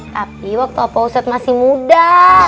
tapi waktu opa ustadz masih muda